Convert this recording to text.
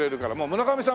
村上さん